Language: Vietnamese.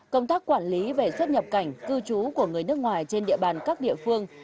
công tác quản lý về xuất nhập cảnh cư trú của người nước ngoài trên địa bàn các địa phương